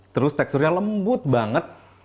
terus teksturnya lembut banget